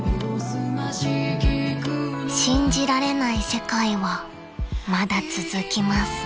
［信じられない世界はまだ続きます］